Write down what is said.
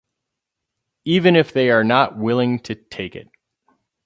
Even if they are not willing to take it.